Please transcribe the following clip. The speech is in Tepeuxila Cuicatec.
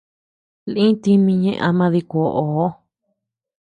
Lï tími ñeʼe ama dikuoʼoo.